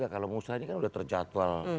kalau musra ini kan sudah terjatual